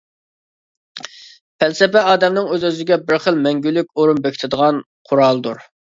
پەلسەپە، ئادەمنىڭ ئۆز-ئۆزىگە بىر خىل مەڭگۈلۈك ئورۇن بېكىتىدىغان قورالدۇر.